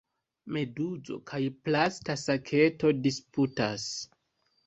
Meduzo kaj plasta saketo disputas.